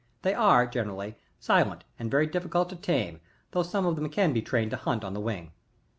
They are, generally, silent and very difficult to tame, although some of them can be trained to hunt on the wing.